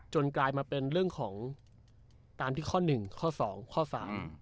กลายมาเป็นเรื่องของตามที่ข้อหนึ่งข้อสองข้อสาม